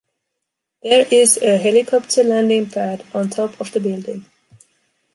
There is a helicopter landing pad on top of the building.